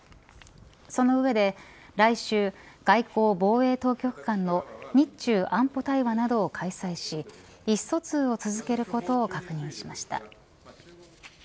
その上で来週外交・防衛当局間の日中安保対話などを開催し意思疎通を続けることを確認しました。